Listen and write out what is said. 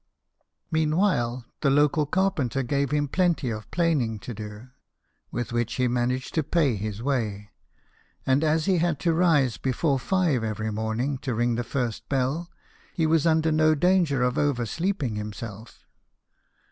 Meanwhile, the local carpenter gave him plenty of planing to do, with which he managed to pay his way ; and as he had to rise before five every morning to ring the first bell, he was under no danger of oversleeping himself.